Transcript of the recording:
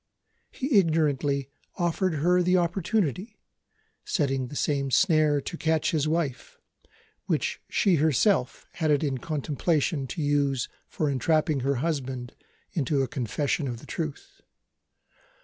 He ignorantly offered her the opportunity setting the same snare to catch his wife, which she herself had it in contemplation to use for entrapping her husband into a confession of the truth.